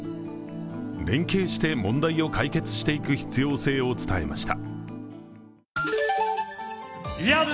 連携して問題を解決していく必要性を伝えました。